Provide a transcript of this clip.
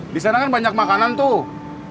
di sana kan banyak makanan tuh